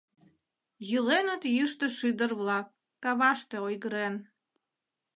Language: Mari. Йӱленыт йӱштӧ шӱдыр-влак, каваште ойгырен.